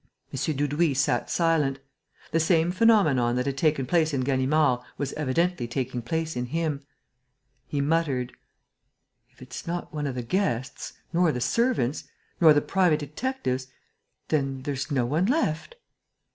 Dudouis sat silent. The same phenomenon that had taken place in Ganimard was evidently taking place in him. He muttered: "If it's not one of the guests, nor the servants, nor the private detectives, then there's no one left...."